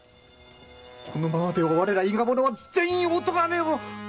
このままでは我ら伊賀者は全員お咎めを！